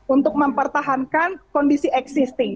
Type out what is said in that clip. untuk mempertahankan kondisi existing